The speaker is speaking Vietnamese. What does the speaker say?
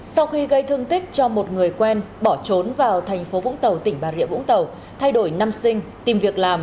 sau khi gây thương tích cho một người quen bỏ trốn vào thành phố vũng tàu tỉnh bà rịa vũng tàu thay đổi năm sinh tìm việc làm